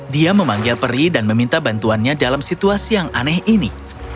dia memanggil peri dan meminta bantuannya dalam situasi yang aneh ini